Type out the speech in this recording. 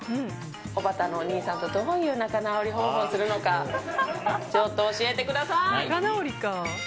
おばたのお兄さんとどういう仲直り方法をするのかちょっと教えてください！